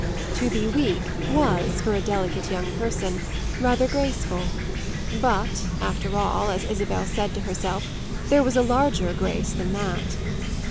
To be weak was, for a delicate young person, rather graceful, but, after all, as Isabel said to herself, there was a larger grace than that.